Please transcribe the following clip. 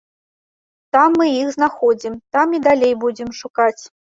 Там мы іх знаходзім, там і далей будзем шукаць.